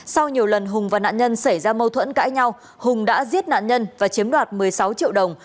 sau nhiều lần hùng và nạn nhân xảy ra mâu thuẫn cãi nhau hùng đã giết nạn nhân và chiếm đoạt một mươi sáu triệu đồng